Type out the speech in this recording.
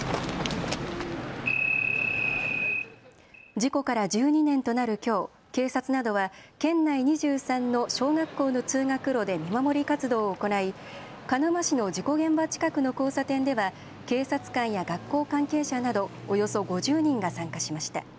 事故から１２年となるきょう警察などは県内２３の小学校の通学路で見守り活動を行い鹿沼市の事故現場近くの交差点では警察官や学校関係者などおよそ５０人が参加しました。